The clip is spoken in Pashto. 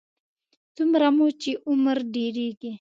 څومره مو چې عمر ډېرېږي.